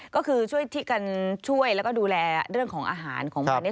ก็คือช่วยแล้วก็ดูแลเรื่องของอาหารของมัน